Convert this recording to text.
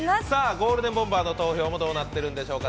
ゴールデンボンバーの投票もどうなっているんでしょうか。